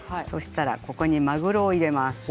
ここに、まぐろを入れます。